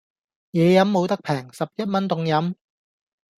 野飲無得平,十一蚊凍飲